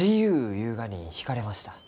ゆうがに引かれました。